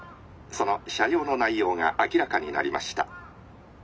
その車両の内容が明らかになりました。